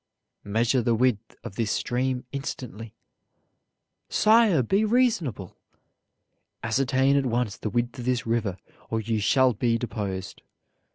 "Measure the width of this stream instantly." "Sire, be reasonable!" "Ascertain at once the width of this river, or you shall be deposed."